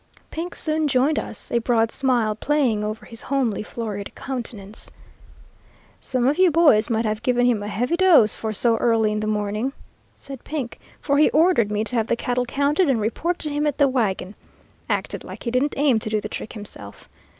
Pink soon joined us, a broad smile playing over his homely florid countenance. "'Some of you boys must have given him a heavy dose for so early in the morning,' said Pink, 'for he ordered me to have the cattle counted, and report to him at the wagon. Acted like he didn't aim to do the trick himself.